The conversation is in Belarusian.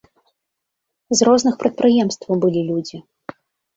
З розных прадпрыемстваў былі людзі.